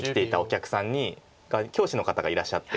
教師の方がいらっしゃって。